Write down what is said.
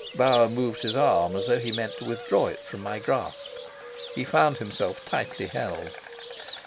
Bauer moved his arm as though he meant to withdraw it from my grasp. He found himself tightly held.